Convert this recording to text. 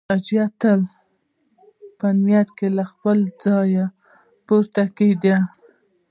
ناجيه د تلو په نيت له خپله ځايه پورته کېده